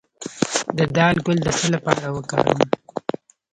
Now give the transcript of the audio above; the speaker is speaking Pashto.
د دال ګل د څه لپاره وکاروم؟